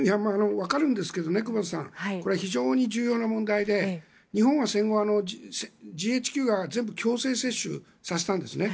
わかるんですけどね久保田さんこれ、非常に重要な問題で日本は戦後、ＧＨＱが全部、強制接種させたんですね。